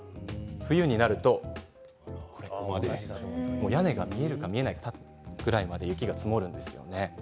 冬になると、屋根が見えるか見えないかぐらいまで雪が積もるんですよね。